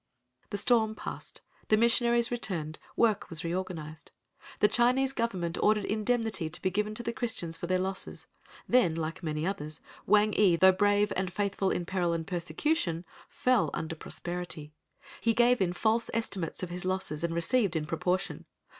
The storm passed. The missionaries returned, work was reorganized. The Chinese Government ordered indemnity to be given to the Christians for their losses. Then, like many others, Wang ee, though brave and faithful in peril and persecution, fell under prosperity. He gave in false estimates of his losses and received in proportion.